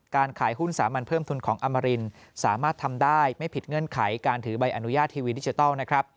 การขายหุ้นสามัญเพิ่มทุนของอมรินสามารถทำได้ไม่ผิดเงื่อนไขการถือใบอนุญาตทีวีดิจิทัลนะครับ